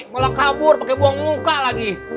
malah kabur pakai buang muka lagi